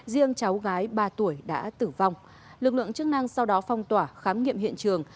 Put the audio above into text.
riêng cháu gái ba tuổi đã tử vong lực lượng chức năng sau đó phong tỏa khám nghiệm hiện trường